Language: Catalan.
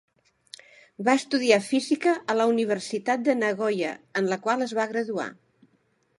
Va estudiar física a la Universitat de Nagoya, en la qual es va graduar.